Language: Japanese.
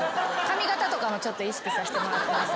髪形とかもちょっと意識させてもらってます。